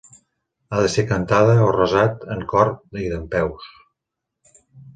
Ha de ser cantada o resat en cor i dempeus.